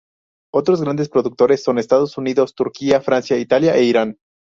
Otros grandes productores son Estados Unidos, Turquía, Francia, Italia e Irán.